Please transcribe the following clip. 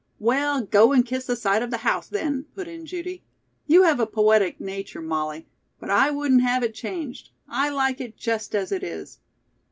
"Well, go and kiss the side of the house then," put in Judy. "You have a poetic nature, Molly; but I wouldn't have it changed. I like it just as it is."